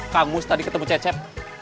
kang mus tadi ketemu cecep